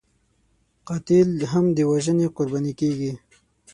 قاتل هم د وژنې قرباني کېږي